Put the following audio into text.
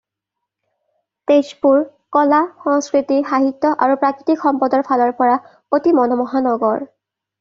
তেজপুৰ কলা, সংস্কৃতি, সাহিত্য আৰু প্ৰাকৃতিক সম্পদৰ ফালৰ পৰা অতি মনমোহা নগৰ।